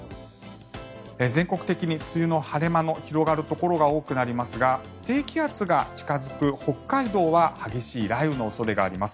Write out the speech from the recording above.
全国的に梅雨の晴れ間のところが多くなりますが低気圧が近付く北海道は激しい雷雨の恐れがあります。